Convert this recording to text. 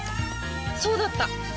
そうだった！